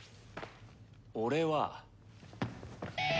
俺は。